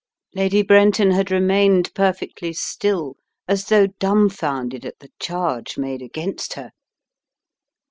Lady Brenton had remained perfectly stih, as though dumbfounded at the charge made against her.